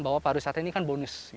bahwa pariwisata ini kan bonus